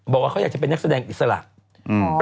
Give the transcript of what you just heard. บอกว่าเขาอยากจะเป็นนักแสดงอิสระ